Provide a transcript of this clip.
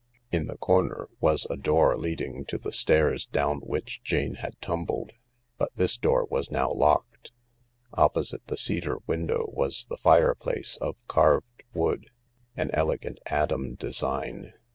In the corner was a door leading to the stairs down which Jane had tumbled, but this door was now locked. Opposite the cedar window was the fireplace, of carved wood, an elegant Adam design.